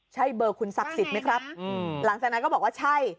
ใช่เบอร์คุณศักดิ์สิทธิ์ไหมครับหลังจากนั้นก็บอกว่าใช่